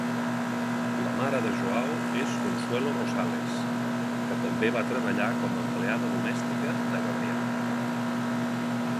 La mare de Joao és Consuelo Rosales, que també va treballar com a empleada domèstica de Gabriel.